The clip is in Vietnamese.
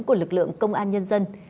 của lực lượng công an nhân dân